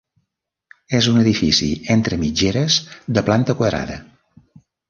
És un edifici entre mitgeres de planta quadrada.